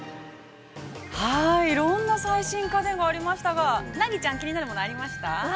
◆いろんな最新家電がありましたが、ナギちゃん、気になるものはありましたか。